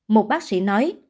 một bác sĩ nói